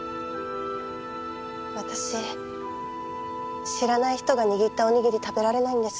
私知らない人が握ったおにぎり食べられないんです。